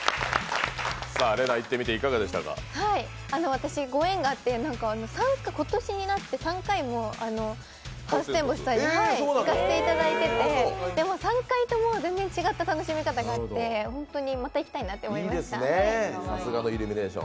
私、ご縁があって今年になって３回もハウステンボスさんに行かせておいただいていて３回とも全然楽しみ方があってまた行きたいなって思いました。